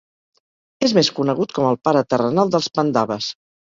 És més conegut com el pare terrenal dels Pandaves.